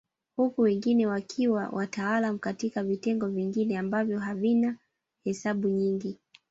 Huku wengine wakiwa wataalamu katika vitengo vingine ambavyo havina hesabu nyingi